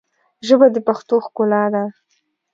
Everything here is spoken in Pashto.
ژبه د پښتو ښکلا ده